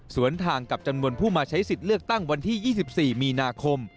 ทางกับจำนวนผู้มาใช้สิทธิ์เลือกตั้งวันที่๒๔มีนาคม